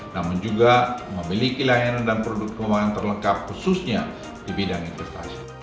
namun juga memiliki layanan dan produk keuangan terlengkap khususnya di bidang investasi